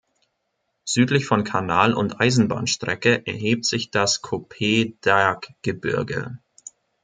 Südlich von Kanal und Eisenbahnstrecke erhebt sich das Kopet-Dag-Gebirge.